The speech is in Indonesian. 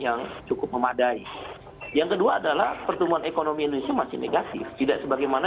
yang cukup memadai yang kedua adalah pertumbuhan ekonomi indonesia masih negatif tidak sebagaimana